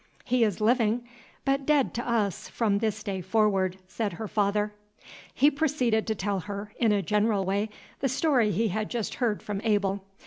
"He is living, but dead to us from this day forward," said her father. He proceeded to tell her, in a general way, the story he had just heard from Abel.